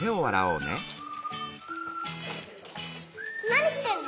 なにしてんの？